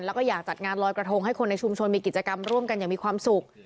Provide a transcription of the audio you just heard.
แล้วก็อยากจัดงานลอยกระทงให้คนในชุมชนมีกิจกรรมร่วมกันอย่างมีความสุข